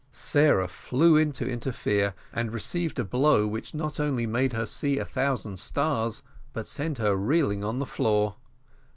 Sarah flew in to interfere, and received a blow which not only made her see a thousand stars, but sent her reeling on the floor.